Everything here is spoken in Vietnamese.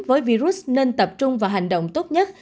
với virus nên tập trung vào hành động tốt nhất